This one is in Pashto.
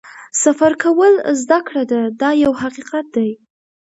سفر کول زده کړه ده دا یو حقیقت دی.